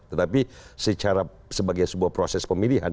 tetapi sebagai sebuah proses pemilihan